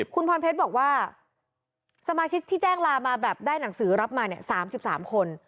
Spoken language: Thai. คุณพรเพชรบอกว่าสมาชิกที่แจ้งลามาแบบได้หนังสือรับมาเนี่ย๓๓คน